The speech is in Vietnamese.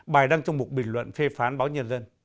bài đăng trong một bình luận phê phán báo nhân dân